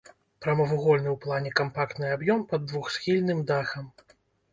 Прамавугольны ў плане кампактны аб'ём пад двухсхільным дахам.